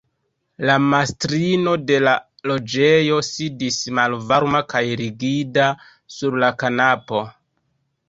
La mastrino de la loĝejo sidis malvarma kaj rigida sur la kanapo.